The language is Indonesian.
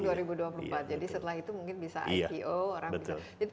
jadi setelah itu mungkin bisa ipo